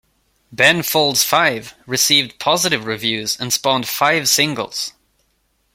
"Ben Folds Five" received positive reviews, and spawned five singles.